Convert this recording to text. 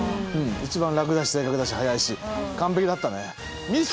一番楽だし正確だし速いし完璧だったね。